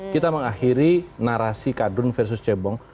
kita mengakhiri narasi kadrun versus cebong